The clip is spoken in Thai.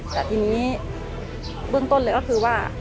แต่ทีนี้เบื้องต้นเลยก็คือว่า